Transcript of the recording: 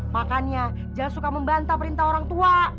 pakannya jangan suka membantah perintah orang tua